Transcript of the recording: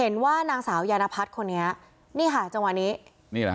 นางสาวยานพัดคนนี้จังหวานิ